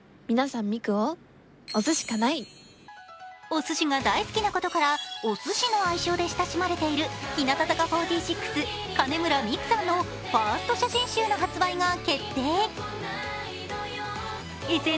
おすしが大好きなことからおすしの愛称で親しまれている日向坂４６、金村美玖さんのファースト写真集の発売が決定。